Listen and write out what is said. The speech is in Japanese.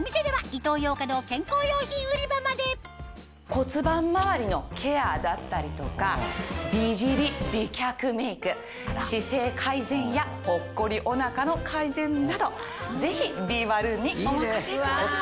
骨盤周りのケアだったりとか美尻美脚メイク姿勢改善やぽっこりお腹の改善などぜひビーバルーンにお任せください。